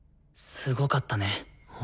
すごかったね。